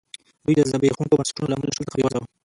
دوی د زبېښونکو بنسټونو له امله له شل څخه بېوزله وو.